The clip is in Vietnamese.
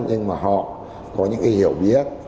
nhưng mà họ có những cái hiểu biết